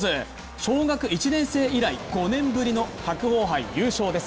小学１年生以来、５年ぶりの白鵬杯優勝です。